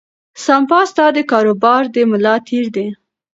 سپما ستا د کاروبار د ملا تیر دی.